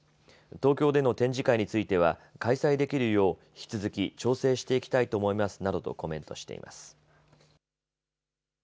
東京での展示会については開催できるよう引き続き調整していきたいと思いますなどとコメントしています。